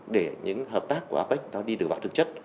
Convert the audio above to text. để những hợp tác của apec nó đi được vào thực chất